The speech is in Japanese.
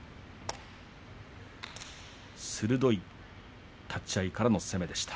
鋭い立ち合いからの攻めでした。